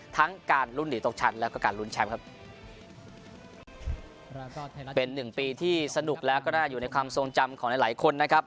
ทั้งการลุ้นหนีตกชั้นแล้วก็การลุ้นแชมป์ครับเป็นหนึ่งปีที่สนุกแล้วก็น่าอยู่ในความทรงจำของหลายหลายคนนะครับ